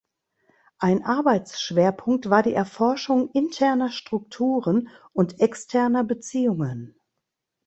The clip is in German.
Ein Arbeitsschwerpunkt war die Erforschung interner Strukturen und externer Beziehungen.